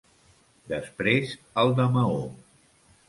Després al de Maó.